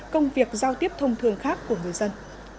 công việc giao tiếp thông thường khác của người dân